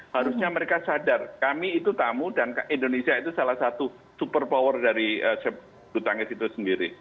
harusnya mereka sadar kami itu tamu dan indonesia itu salah satu super power dari bulu tangis itu sendiri